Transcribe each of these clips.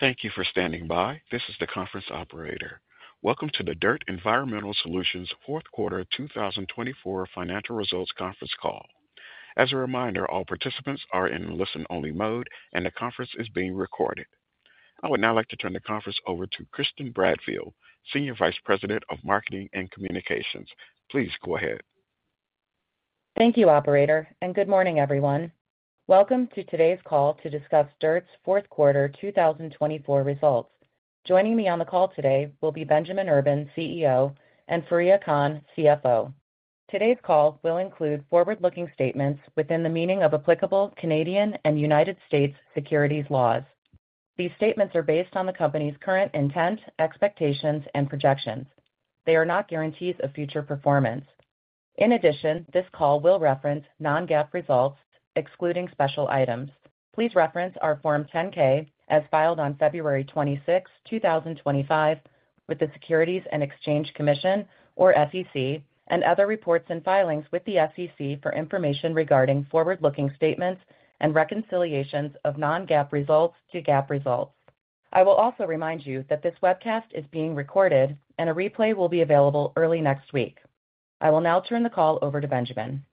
Thank you for standing by. This is the conference operator. Welcome to the DIRTT Environmental Solutions Fourth Quarter 2024 financial results conference call. As a reminder, all participants are in listen-only mode, and the conference is being recorded. I would now like to turn the conference over to Kristin Bradfield, Senior Vice President of Marketing and Communications. Please go ahead. Thank you, Operator, and good morning, everyone. Welcome to today's call to discuss DIRTT's fourth quarter 2024 results. Joining me on the call today will be Benjamin Urban, CEO, and Fareeha Khan, CFO. Today's call will include forward-looking statements within the meaning of applicable Canadian and U.S. securities laws. These statements are based on the company's current intent, expectations, and projections. They are not guarantees of future performance. In addition, this call will reference non-GAAP results, excluding special items. Please reference our Form 10-K as filed on February 26, 2025, with the Securities and Exchange Commission, or SEC, and other reports and filings with the SEC for information regarding forward-looking statements and reconciliations of non-GAAP results to GAAP results. I will also remind you that this webcast is being recorded, and a replay will be available early next week. I will now turn the call over to Benjamin.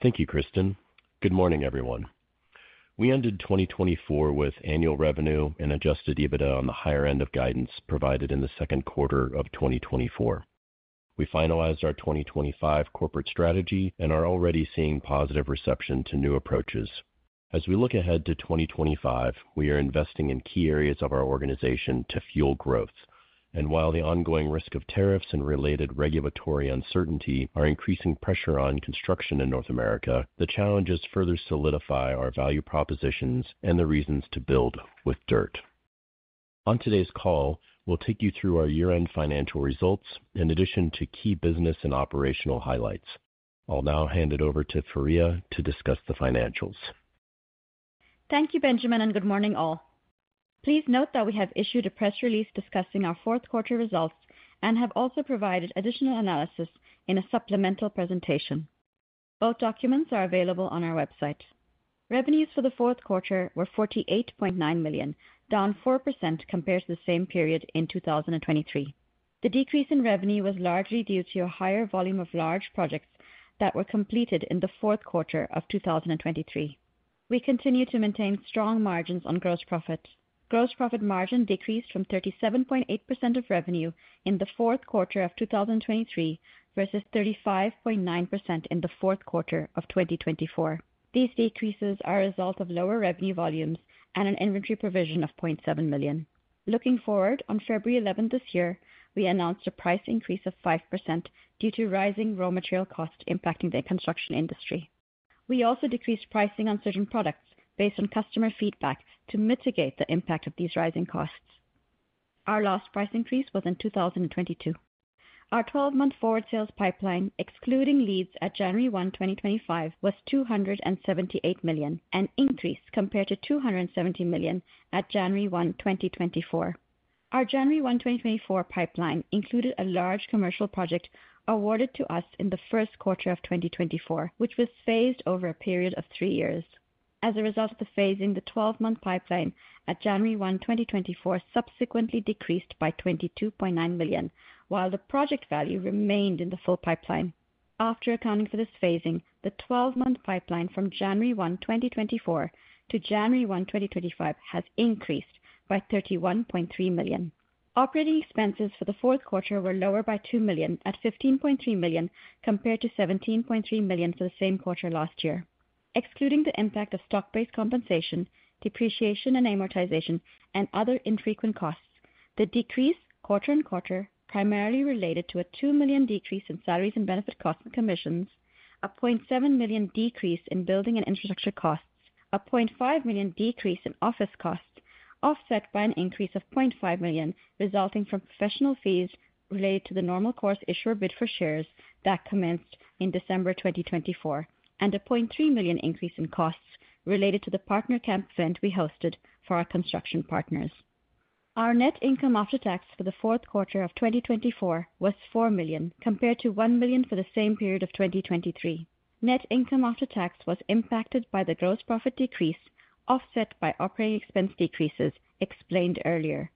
Thank you, Kristin. Good morning, everyone. We ended 2024 with annual revenue and Adjusted EBITDA on the higher end of guidance provided in the second quarter of 2024. We finalized our 2025 corporate strategy and are already seeing positive reception to new approaches. As we look ahead to 2025, we are investing in key areas of our organization to fuel growth. While the ongoing risk of tariffs and related regulatory uncertainty are increasing pressure on construction in North America, the challenges further solidify our value propositions and the reasons to build with DIRTT. On today's call, we'll take you through our year-end financial results, in addition to key business and operational highlights. I'll now hand it over to Fareeha to discuss the financials. Thank you, Benjamin, and good morning, all. Please note that we have issued a press release discussing our fourth quarter results and have also provided additional analysis in a supplemental presentation. Both documents are available on our website. Revenues for the fourth quarter were $48.9 million, down 4% compared to the same period in 2023. The decrease in revenue was largely due to a higher volume of large projects that were completed in the fourth quarter of 2023. We continue to maintain strong margins on gross profit. Gross profit margin decreased from 37.8% of revenue in the fourth quarter of 2023 versus 35.9% in the fourth quarter of 2024. These decreases are a result of lower revenue volumes and an inventory provision of $0.7 million. Looking forward, on February 11 this year, we announced a price increase of 5% due to rising raw material costs impacting the construction industry. We also decreased pricing on certain products based on customer feedback to mitigate the impact of these rising costs. Our last price increase was in 2022. Our 12-month forward sales pipeline, excluding leads at January 1, 2025, was $278 million, an increase compared to $270 million at January 1, 2024. Our January 1, 2024 pipeline included a large commercial project awarded to us in the first quarter of 2024, which was phased over a period of three years. As a result of the phasing, the 12-month pipeline at January 1, 2024, subsequently decreased by $22.9 million, while the project value remained in the full pipeline. After accounting for this phasing, the 12-month pipeline from January 1, 2024-January 1, 2025, has increased by $31.3 million. Operating expenses for the fourth quarter were lower by $2 million at $15.3 million compared to $17.3 million for the same quarter last year. Excluding the impact of stock-based compensation, depreciation, and amortization, and other infrequent costs, the decrease, quarter-on-quarter, primarily related to a $2 million decrease in salaries and benefit costs and commissions, a $0.7 million decrease in building and infrastructure costs, a $0.5 million decrease in office costs, offset by an increase of $0.5 million resulting from professional fees related to the Normal Course Issuer Bid for shares that commenced in December 2024, and a $0.3 million increase in costs related to the Partner Camp event we hosted for our construction partners. Our net income after tax for the fourth quarter of 2024 was $4 million compared to $1 million for the same period of 2023. Net income after tax was impacted by the gross profit decrease offset by operating expense decreases explained earlier,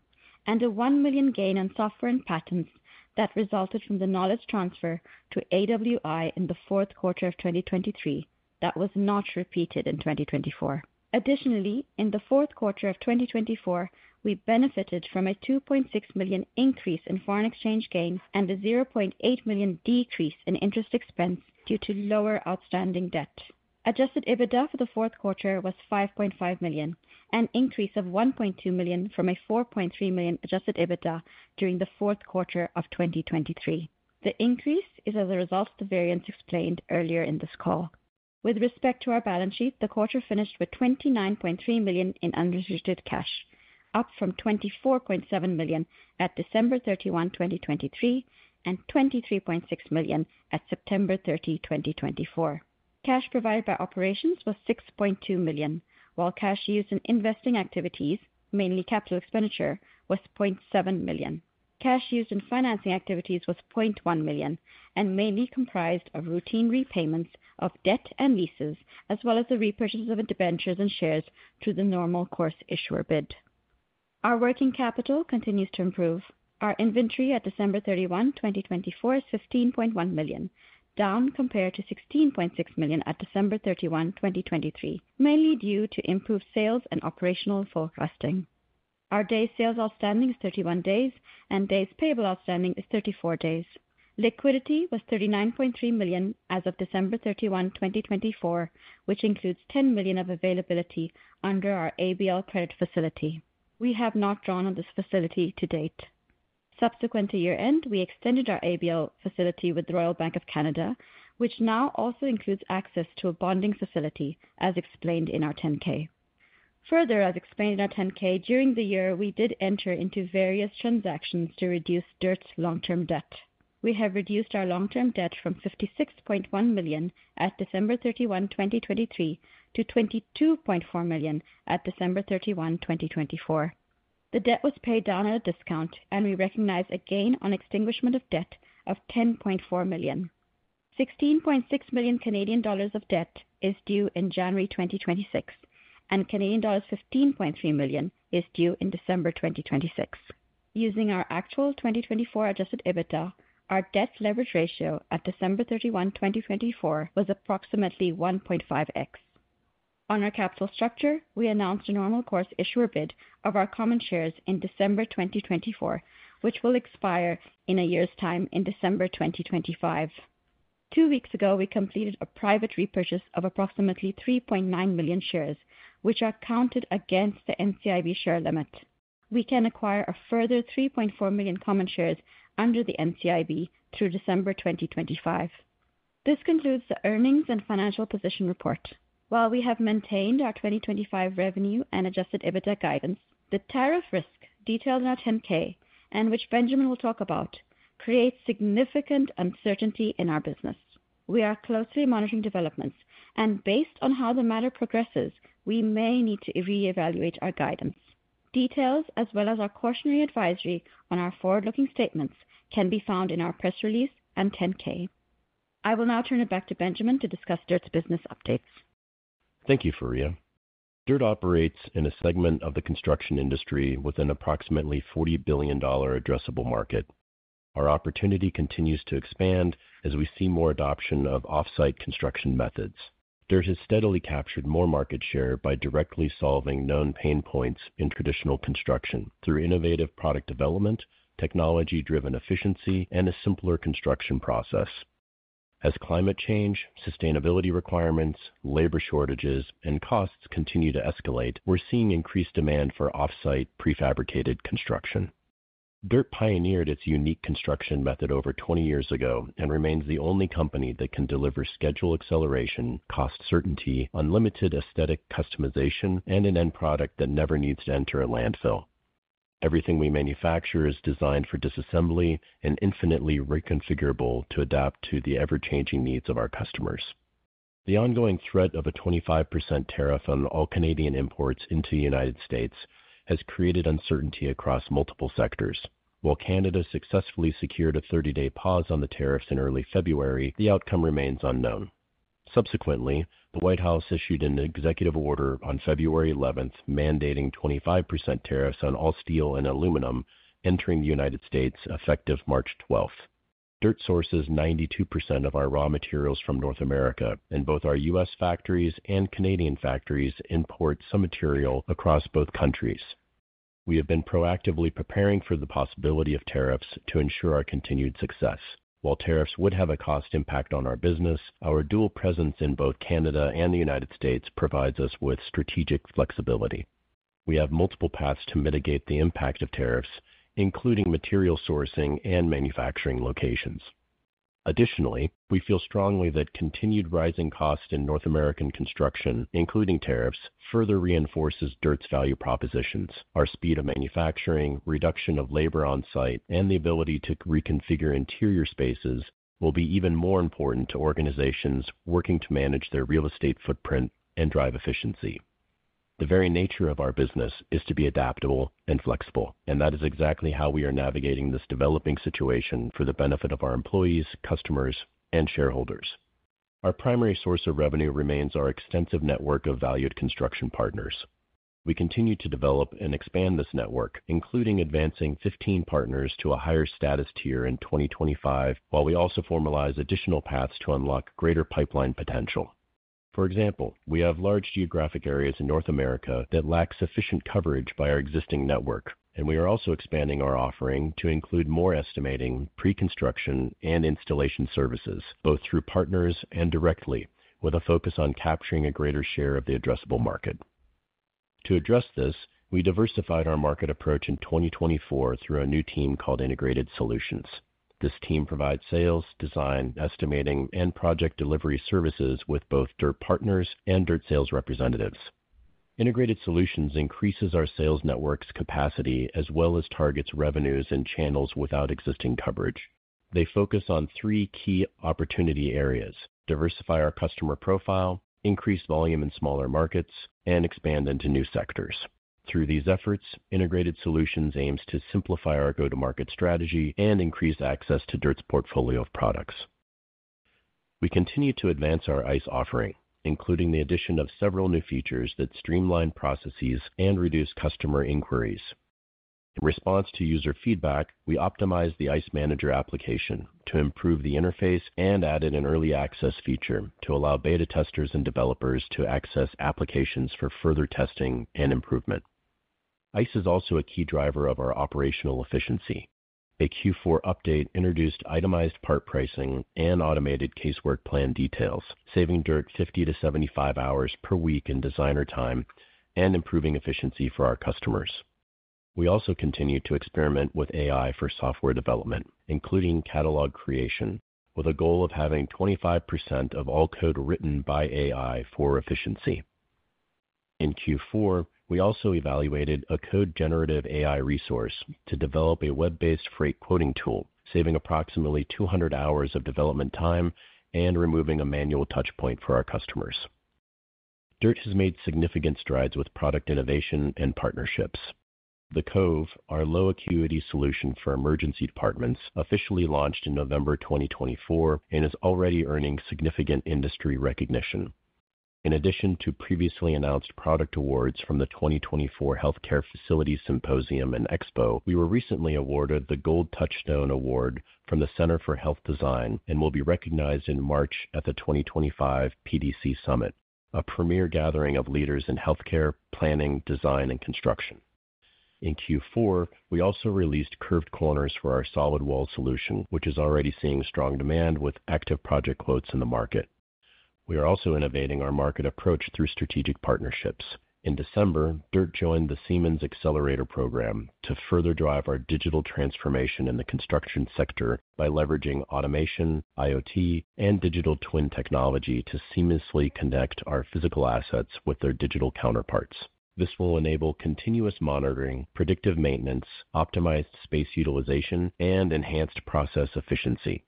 and a $1 million gain on software and patents that resulted from the knowledge transfer to AWI in the fourth quarter of 2023 that was not repeated in 2024. Additionally, in the fourth quarter of 2024, we benefited from a $2.6 million increase in foreign exchange gain and a $0.8 million decrease in interest expense due to lower outstanding debt. Adjusted EBITDA for the fourth quarter was $5.5 million, an increase of $1.2 million from a $4.3 million Adjusted EBITDA during the fourth quarter of 2023. The increase is as a result of the variance explained earlier in this call. With respect to our balance sheet, the quarter finished with $29.3 million in unrestricted cash, up from $24.7 million at December 31, 2023, and $23.6 million at September 30, 2024. Cash provided by operations was $6.2 million, while cash used in investing activities, mainly capital expenditure, was $0.7 million. Cash used in financing activities was $0.1 million and mainly comprised of routine repayments of debt and leases, as well as the repurchase of debentures and shares through the normal course issuer bid. Our working capital continues to improve. Our inventory at December 31, 2024, is $15.1 million, down compared to $16.6 million at December 31, 2023, mainly due to improved sales and operational forecasting. Our days sales outstanding is 31 days, and days payable outstanding is 34 days. Liquidity was $39.3 million as of December 31, 2024, which includes $10 million of availability under our ABL credit facility. We have not drawn on this facility to date. Subsequent to year-end, we extended our ABL facility with the Royal Bank of Canada, which now also includes access to a bonding facility, as explained in our 10-K. Further, as explained in our 10-K, during the year, we did enter into various transactions to reduce DIRTT's long-term debt. We have reduced our long-term debt from $56.1 million at December 31, 2023, to $22.4 million at December 31, 2024. The debt was paid down at a discount, and we recognize a gain on extinguishment of debt of $10.4 million. 16.6 million Canadian dollars of debt is due in January 2026, and Canadian dollars 15.3 million is due in December 2026. Using our actual 2024 Adjusted EBITDA, our debt-leverage ratio at December 31, 2024, was approximately 1.5x. On our capital structure, we announced a normal course issuer bid of our common shares in December 2024, which will expire in a year's time in December 2025. Two weeks ago, we completed a private repurchase of approximately 3.9 million shares, which are counted against the NCIB share limit. We can acquire a further 3.4 million common shares under the NCIB through December 2025. This concludes the earnings and financial position report. While we have maintained our 2025 revenue and Adjusted EBITDA guidance, the tariff risk detailed in our 10-K, and which Benjamin will talk about, creates significant uncertainty in our business. We are closely monitoring developments, and based on how the matter progresses, we may need to re-evaluate our guidance. Details, as well as our cautionary advisory on our forward-looking statements, can be found in our press release and 10-K. I will now turn it back to Benjamin to discuss DIRTT's business updates. Thank you, Fareeha. DIRTT operates in a segment of the construction industry with an approximately $40 billion addressable market. Our opportunity continues to expand as we see more adoption of off-site construction methods. DIRTT has steadily captured more market share by directly solving known pain points in traditional construction through innovative product development, technology-driven efficiency, and a simpler construction process. As climate change, sustainability requirements, labor shortages, and costs continue to escalate, we're seeing increased demand for off-site prefabricated construction. DIRTT pioneered its unique construction method over 20 years ago and remains the only company that can deliver schedule acceleration, cost certainty, unlimited aesthetic customization, and an end product that never needs to enter a landfill. Everything we manufacture is designed for disassembly and infinitely reconfigurable to adapt to the ever-changing needs of our customers. The ongoing threat of a 25% tariff on all Canadian imports into the United States has created uncertainty across multiple sectors. While Canada successfully secured a 30-day pause on the tariffs in early February, the outcome remains unknown. Subsequently, the White House issued an executive order on February 11 mandating 25% tariffs on all steel and aluminum entering the United States effective March 12. DIRTT sources 92% of our raw materials from North America, and both our U.S. factories and Canadian factories import some material across both countries. We have been proactively preparing for the possibility of tariffs to ensure our continued success. While tariffs would have a cost impact on our business, our dual presence in both Canada and the United States provides us with strategic flexibility. We have multiple paths to mitigate the impact of tariffs, including material sourcing and manufacturing locations. Additionally, we feel strongly that continued rising costs in North American construction, including tariffs, further reinforces DIRTT's value propositions. Our speed of manufacturing, reduction of labor on-site, and the ability to reconfigure interior spaces will be even more important to organizations working to manage their real estate footprint and drive efficiency. The very nature of our business is to be adaptable and flexible, and that is exactly how we are navigating this developing situation for the benefit of our employees, customers, and shareholders. Our primary source of revenue remains our extensive network of valued construction partners. We continue to develop and expand this network, including advancing 15 partners to a higher status tier in 2025, while we also formalize additional paths to unlock greater pipeline potential. For example, we have large geographic areas in North America that lack sufficient coverage by our existing network, and we are also expanding our offering to include more estimating, pre-construction, and installation services, both through partners and directly, with a focus on capturing a greater share of the addressable market. To address this, we diversified our market approach in 2024 through a new team called Integrated Solutions. This team provides sales, design, estimating, and project delivery services with both DIRTT partners and DIRTT sales representatives. Integrated Solutions increases our sales network's capacity as well as targets revenues and channels without existing coverage. They focus on three key opportunity areas: diversify our customer profile, increase volume in smaller markets, and expand into new sectors. Through these efforts, Integrated Solutions aims to simplify our go-to-market strategy and increase access to DIRTT's portfolio of products. We continue to advance our ICE offering, including the addition of several new features that streamline processes and reduce customer inquiries. In response to user feedback, we optimize the ICE Manager application to improve the interface and added an early access feature to allow beta testers and developers to access applications for further testing and improvement. ICE is also a key driver of our operational efficiency. A Q4 update introduced itemized part pricing and automated Casework plan details, saving DIRTT 50 hours-75 hours per week in designer time and improving efficiency for our customers. We also continue to experiment with AI for software development, including catalog creation, with a goal of having 25% of all code written by AI for efficiency. In Q4, we also evaluated a code-generative AI resource to develop a web-based freight quoting tool, saving approximately 200 hours of development time and removing a manual touchpoint for our customers. DIRTT has made significant strides with product innovation and partnerships. The Cove, our low acuity solution for emergency departments, officially launched in November 2024 and is already earning significant industry recognition. In addition to previously announced product awards from the 2024 Healthcare Facilities Symposium and Expo, we were recently awarded the Gold Touchstone Award from the Center for Health Design and will be recognized in March at the 2025 PDC Summit, a premier gathering of leaders in healthcare, planning, design, and construction. In Q4, we also released curved corners for our Solid Wall solution, which is already seeing strong demand with active project quotes in the market. We are also innovating our market approach through strategic partnerships. In December, DIRTT joined the Siemens Xcelerator program to further drive our digital transformation in the construction sector by leveraging automation, IoT, and digital twin technology to seamlessly connect our physical assets with their digital counterparts. This will enable continuous monitoring, predictive maintenance, optimized space utilization, and enhanced process efficiency.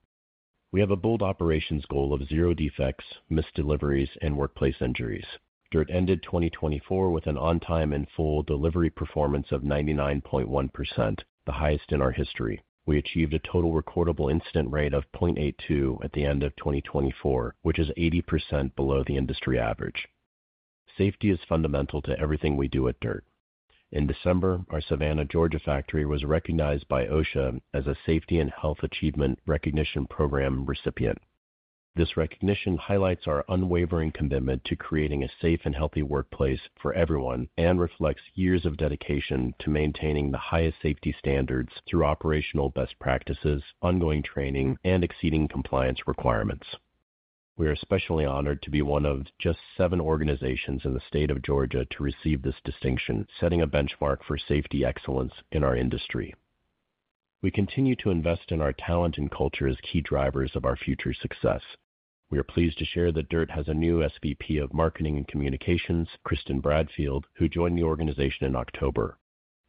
We have a bold operations goal of zero defects, missed deliveries, and workplace injuries. DIRTT ended 2024 with an on-time and full delivery performance of 99.1%, the highest in our history. We achieved a total recordable incident rate of 0.82 at the end of 2024, which is 80% below the industry average. Safety is fundamental to everything we do at DIRTT. In December, our Savannah, Georgia factory was recognized by OSHA as a Safety and Health Achievement Recognition Program recipient. This recognition highlights our unwavering commitment to creating a safe and healthy workplace for everyone and reflects years of dedication to maintaining the highest safety standards through operational best practices, ongoing training, and exceeding compliance requirements. We are especially honored to be one of just seven organizations in the state of Georgia to receive this distinction, setting a benchmark for safety excellence in our industry. We continue to invest in our talent and culture as key drivers of our future success. We are pleased to share that DIRTT has a new SVP of Marketing and Communications, Kristin Bradfield, who joined the organization in October.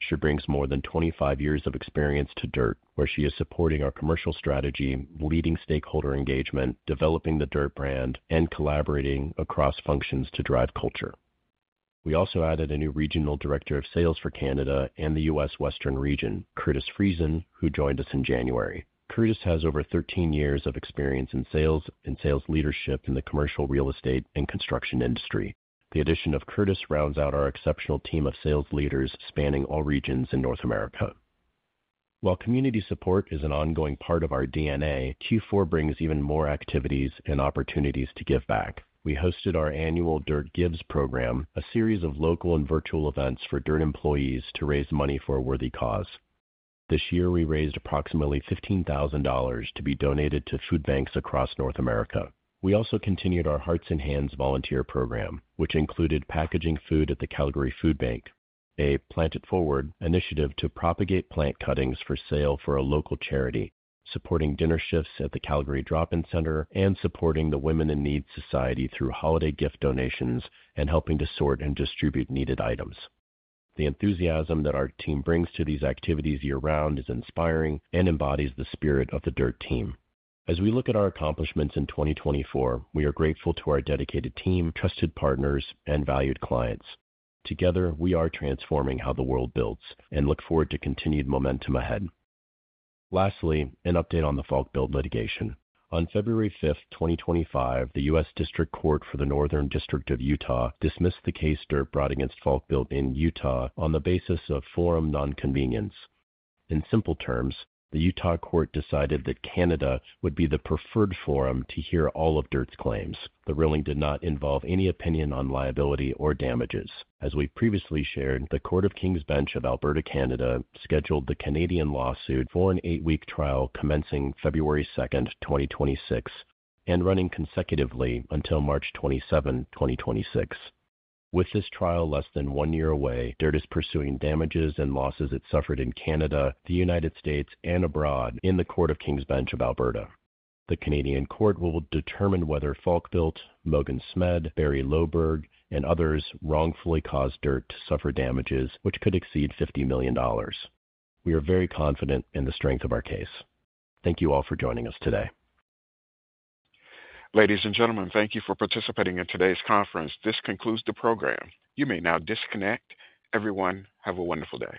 She brings more than 25 years of experience to DIRTT, where she is supporting our commercial strategy, leading stakeholder engagement, developing the DIRTT brand, and collaborating across functions to drive culture. We also added a new regional director of sales for Canada and the U.S. Western Region, Curtis Friesen, who joined us in January. Curtis has over 13 years of experience in sales and sales leadership in the commercial real estate and construction industry. The addition of Curtis rounds out our exceptional team of sales leaders spanning all regions in North America. While community support is an ongoing part of our DNA, Q4 brings even more activities and opportunities to give back. We hosted our annual DIRTT Gives program, a series of local and virtual events for DIRTT employees to raise money for a worthy cause. This year, we raised approximately $15,000 to be donated to food banks across North America. We also continued our Hearts & Hands volunteer program, which included packaging food at the Calgary Food Bank, a Plant It Forward initiative to propagate plant cuttings for sale for a local charity, supporting dinner shifts at the Calgary Drop-In Centre, and supporting the Women in Need Society through holiday gift donations and helping to sort and distribute needed items. The enthusiasm that our team brings to these activities year-round is inspiring and embodies the spirit of the DIRTT team. As we look at our accomplishments in 2024, we are grateful to our dedicated team, trusted partners, and valued clients. Together, we are transforming how the world builds and look forward to continued momentum ahead. Lastly, an update on the Falkbuilt litigation. On February 5, 2025, the U.S. District Court for the Northern District of Utah dismissed the case DIRTT brought against Falkbuilt in Utah on the basis of forum non conveniens. In simple terms, the Utah court decided that Canada would be the preferred forum to hear all of DIRTT's claims. The ruling did not involve any opinion on liability or damages. As we previously shared, the Court of King's Bench of Alberta, Canada, scheduled the Canadian lawsuit for an eight-week trial commencing February 2, 2026, and running consecutively until March 27, 2026. With this trial less than one year away, DIRTT is pursuing damages and losses it suffered in Canada, the U.S., and abroad in the Court of King's Bench of Alberta. The Canadian court will determine whether Falkbuilt, Mogens Smed, Barrie Loberg, and others wrongfully caused DIRTT to suffer damages, which could exceed $50 million. We are very confident in the strength of our case. Thank you all for joining us today. Ladies and gentlemen, thank you for participating in today's conference. This concludes the program. You may now disconnect. Everyone, have a wonderful day.